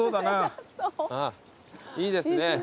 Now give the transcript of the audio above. いいですね。